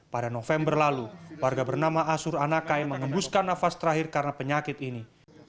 pada november lalu warga bernama asur anakai mengembuskan nafas terakhir karena penyakit ini